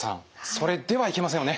それではいけませんよね。